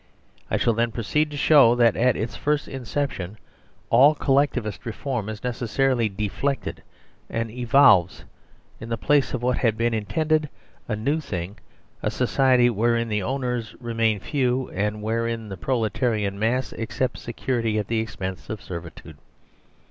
I shall then proceed to show that at its first in ception all Collectivist Reform is necessarily de flected and evolves, in the place of what it had in tended, a new thing : a society wherein the owners remain few and wherein the proletarian mass accepts security at the expense of servitude.